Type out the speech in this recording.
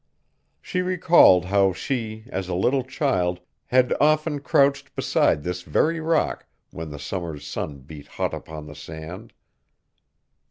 She recalled how she, as a little child, had often crouched beside this very rock when the summer's sun beat hot upon the sand.